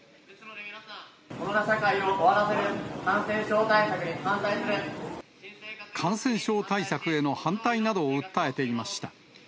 コロナ社会を終わらせる、感染症対策への反対などを訴えていました。